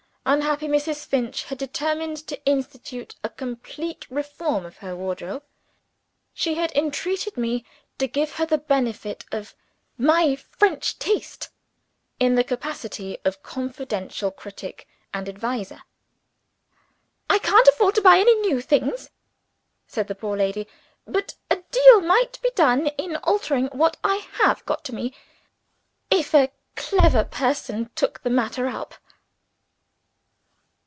Unhappy Mrs. Finch had determined to institute a complete reform of her wardrobe. She had entreated me to give her the benefit of "my French taste," in the capacity of confidential critic and adviser. "I can't afford to buy any new things," said the poor lady. "But a deal might be done in altering what I have got by me, if a clever person took the matter up."